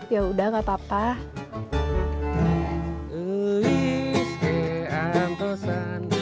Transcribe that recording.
yaudah nggak apa apa